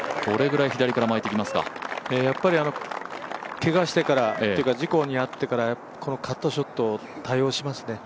けがしてからというか、事故に遭ってからこのカットショットを多用しますね。